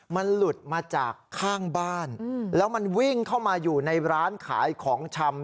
มันหลุดมาจากข้างบ้านแล้วมันวิ่งเข้ามาอยู่ในร้านขายของชำ